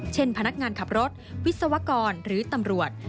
พนักงานขับรถวิศวกรหรือตำรวจ